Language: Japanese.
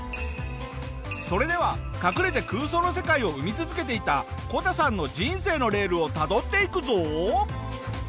それでは隠れて空想の世界を生み続けていたこたさんの人生のレールをたどっていくぞ！